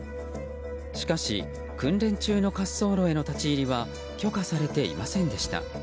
しかし、訓練中の滑走路への立ち入りは許可されていませんでした。